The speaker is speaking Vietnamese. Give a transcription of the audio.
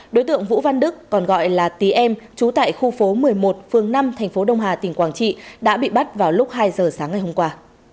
đối tượng vũ văn đức còn gọi là tý em trú tại khu phố một mươi một phường năm thành phố đông hà tỉnh quảng trị đã bị bắt vào lúc hai giờ sáng ngày hôm qua